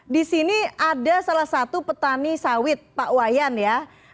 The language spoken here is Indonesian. di sini ada salah satu petani sawit pak wayan ya